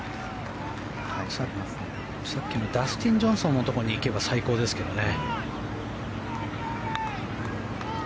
さっきのダスティン・ジョンソンのところに行けば最高ですけどね。